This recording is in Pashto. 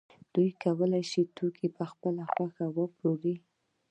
دوی کولای شو توکي په خپله خوښه وپلوري